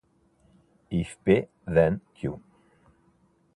If P then Q.